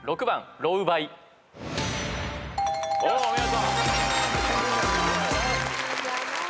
おお見事。